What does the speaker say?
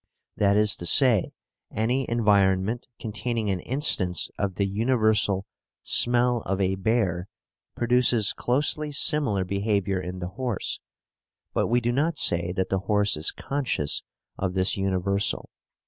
That is to say, any environment containing an instance of the universal "smell of a bear" produces closely similar behaviour in the horse, but we do not say that the horse is conscious of this universal.